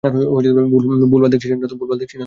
ভুলভাল দেখছি না তো!